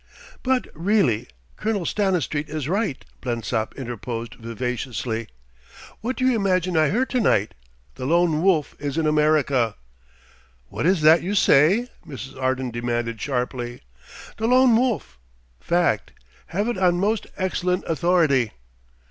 "But really, Colonel Stanistreet is right," Blensop interposed vivaciously. "What do you imagine I heard to night? The Lone Wolf is in America!" "What is that you say?" Mrs. Arden demanded sharply. "The Lone Wolf ... Fact. Have it on most excellent authority."